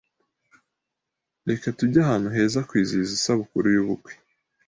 Reka tujye ahantu heza kwizihiza isabukuru y'ubukwe.